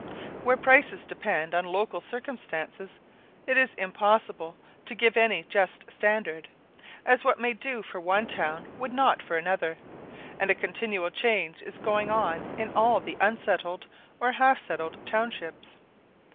Where prices depend on local circumstances, it is impossible to give any just standard; as what may do for one town would not for another, and a continual change is going on in all the unsettled or half settled townships.